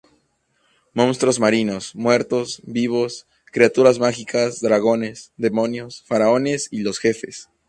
Monstruos marinos, muertos-vivos, criaturas mágicas, dragones, demonios, faraones y los jefes.